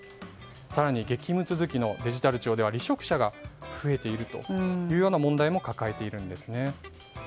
更に激務続きのデジタル庁では離職者が増えているというような問題も抱えているんですね。